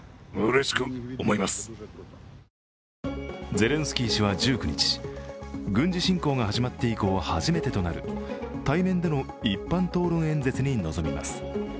ゼレンスキー氏は１９日、軍事侵攻が始まって以降初めてとなる対面での一般討論演説に臨みます。